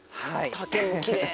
竹もきれい。